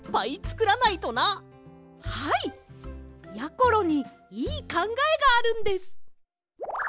ころにいいかんがえがあるんです。